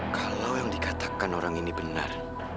kalau yang dikatakan orang ini benar